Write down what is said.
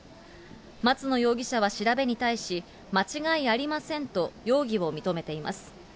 松野容疑者は調べに対し、間違いありませんと、容疑を認めています。